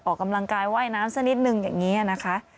ออกกำลังกายว่ายน้ำสักนิดนึงอย่างนี้นะคะ